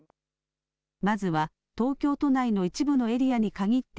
まずは東京都内の一部のエリアに限って